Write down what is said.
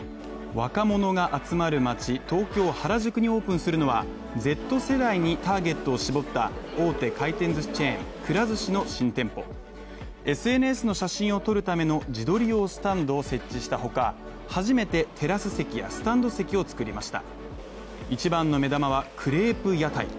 若者が集まる街、東京原宿にオープンするのは、Ｚ世代にターゲットを絞った大手回転ずしチェーンくら寿司の新店舗、ＳＮＳの写真を撮るための自撮り用スタンドを設置したほか、初めてテラス席やスタンド席を作りました